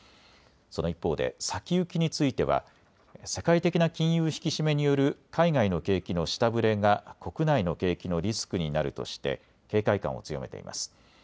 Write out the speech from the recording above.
その一方で先行きについては世界的な金融引き締めによる海外の景気の下振れが国内の景気のリスクになるとして警戒感を強めています。